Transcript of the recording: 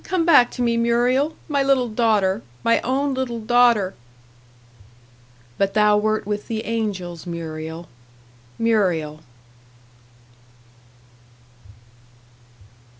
Come back to me, Muriel, my little daughter my own little daughter!" But thou wert with the angels, Muriel Muriel!